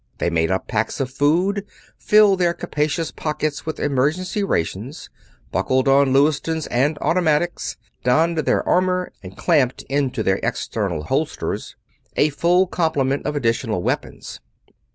They made up packs of food, filled their capacious pockets with emergency rations, buckled on Lewistons and automatics, donned their armor, and clamped into their external holsters a full complement of additional weapons.